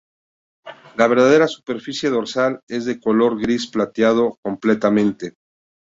La verdadera superficie dorsal es de un color gris plateado completamente.